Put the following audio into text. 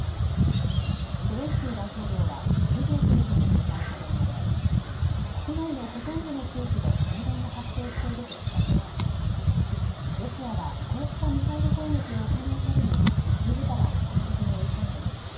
ゼレンスキー大統領は２９日に公開した動画で国内のほとんどの地域で停電が発生しているとしたうえでロシアはこうしたミサイル攻撃を行うたびにみずからを難局に追い込んでいる。